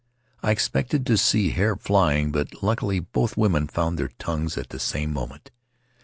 I expected to see hair flying, but, luckily, both women found their tongues at the same moment.